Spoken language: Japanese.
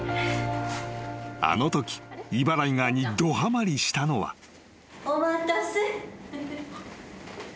［あのときイバライガーにどはまりしたのは］えっ？